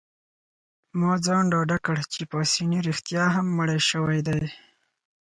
ما ځان ډاډه کړ چي پاسیني رښتیا هم مړی شوی دی.